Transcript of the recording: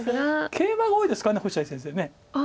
ケイマが多いですか星合先生。